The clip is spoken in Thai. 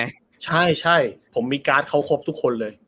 ใช่ใช่ผมมีการ์ดเขาครบทุกคนเลย